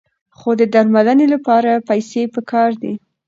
خو د درملنې لپاره پیسې پکار دي.